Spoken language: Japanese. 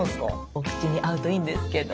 お口に合うといいんですけど。